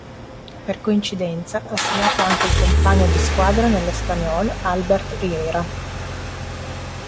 Per coincidenza, ha segnato anche il compagno di squadra nell'Espanyol Albert Riera.